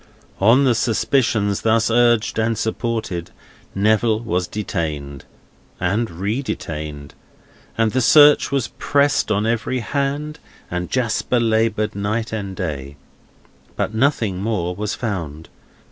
On the suspicions thus urged and supported, Neville was detained, and re detained, and the search was pressed on every hand, and Jasper laboured night and day. But nothing more was found.